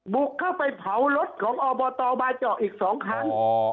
บุกเข้าไปเผารถของอบตบาเจาะอีก๒ครั้ง